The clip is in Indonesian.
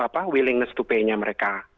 dan tentunya kemampuan untuk membeli mereka